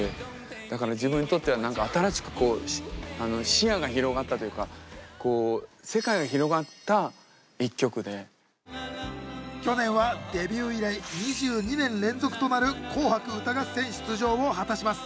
だから自分にとっては何か新しく視野が広がったというか去年はデビュー以来２２年連続となる「紅白歌合戦」出場を果たします。